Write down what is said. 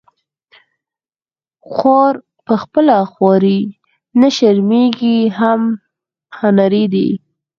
خوار په خپله خواري نه شرمیږي هم هنري دی